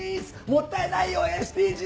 もったいないよＳＤＧｓ！